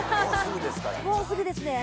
もうすぐですから。